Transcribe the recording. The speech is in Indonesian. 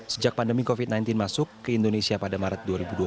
sejak pandemi covid sembilan belas masuk ke indonesia pada maret dua ribu dua puluh